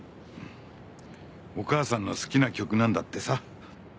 お母さんの好きな曲なんだってさ。